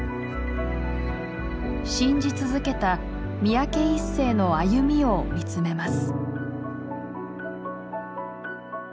信じ続けた三宅一生の歩みを見つめます。